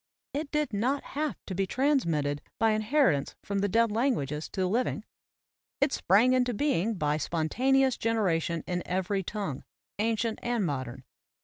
It did not have to be transmitted by in 101 AMERICAN APHORISMS heritance from the dead languages to the liv ing; it sprang into being by spontaneous gen eration in every tongue, ancient and modern.